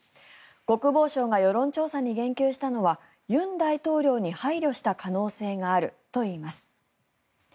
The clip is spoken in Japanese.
国防相が世論調査に言及したのは尹大統領に配慮した可能性があるといいます。